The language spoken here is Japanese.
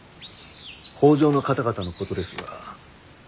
北条の方々のことですが。